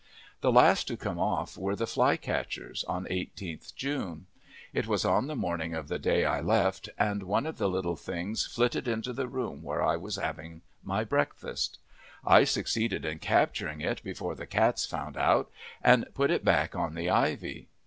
The last to come off were the flycatchers, on 18th June. It was on the morning of the day I left, and one of the little things flitted into the room where I was having my breakfast. I succeeded in capturing it before the cats found out, and put it back on the ivy.